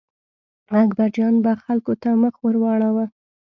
اکبرجان به خلکو ته مخ ور واړاوه.